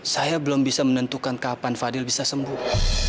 saya belum bisa menentukan kapan fadil bisa sembuh